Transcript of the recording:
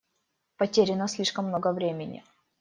Потеряно слишком много времени.